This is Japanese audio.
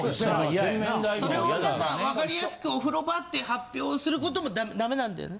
それを分かりやすくお風呂場って発表する事もダメなんだよね？